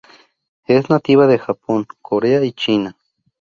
Es nativa de Japón, Corea, y China.